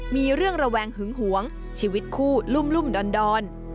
มีเรื่องระแวงหึงหวงชีวิตคู่ลุ่มดอน